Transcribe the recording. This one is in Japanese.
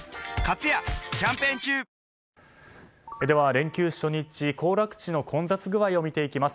連休初日、行楽地の混雑具合を見ていきます。